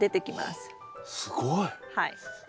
はい。